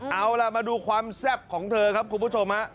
เอาล่ะมาดูความแซ่บของเธอครับคุณผู้ชมฮะ